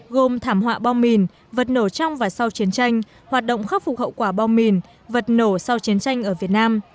gồm thảm họa bom mìn vật nổ trong và sau chiến tranh hoạt động khắc phục hậu quả bom mìn vật nổ sau chiến tranh ở việt nam